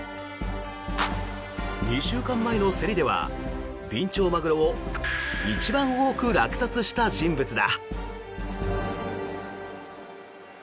２週間前の競りではビンチョウマグロを一番多く落札した人物だ。